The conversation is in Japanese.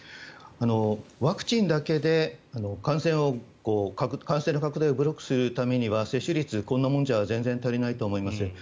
ワクチンだけで感染の拡大をブロックするためには接種率、こんなもんじゃ全然足りないと思います。